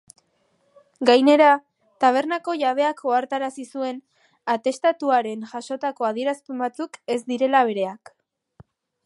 Gainera, tabernako jabeak ohartarazi zuen atestatuaren jasotako adierazpen batzuk ez direla bereak.